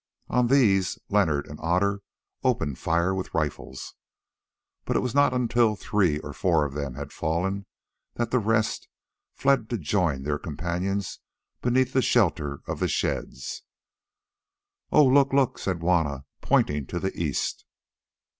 On these Leonard and Otter opened fire with rifles, but it was not until three or four of them had fallen that the rest fled to join their companions beneath the shelter of the sheds. "Oh! look, look!" said Juanna, pointing to the east.